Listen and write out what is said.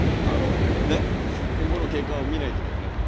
あの今後の経過を見ないとだよね。